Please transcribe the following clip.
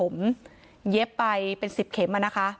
เย็บไปเป็น๑๐เข็ม